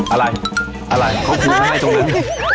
อะไรอะไรเขาคืนให้ตรงนั้น